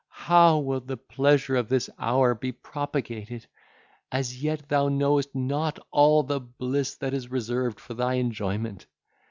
how will the pleasure of this hour be propagated! As yet thou knowest not all the bliss that is reserved for thy enjoyment!